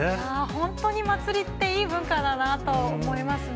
本当に祭りって、いい文化だなと思いますね。